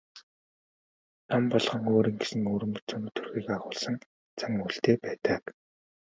Ном болгон өөрийн гэсэн өвөрмөц өнгө төрхийг агуулсан зан үйлтэй байдаг.